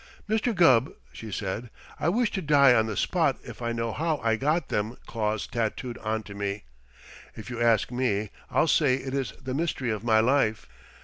"Mr. Gubb," she said, "I wish to die on the spot if I know how I got them claws tattooed onto me. If you ask me, I'll say it is the mystery of my life.